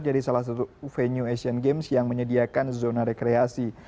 jadi salah satu venue asian games yang menyediakan zona rekreasi